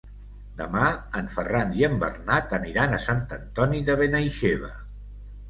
Demà en Ferran i en Bernat aniran a Sant Antoni de Benaixeve.